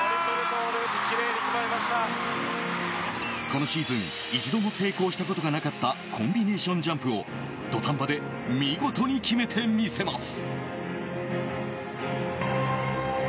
このシーズン一度も成功したことがなかったコンビネーションジャンプを土壇場で見事に決めてみせます。